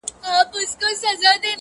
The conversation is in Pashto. چي ښخ کړی یې پلټن وو د یارانو،